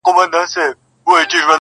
هغې ويله ځمه د سنگسار مخه يې نيسم~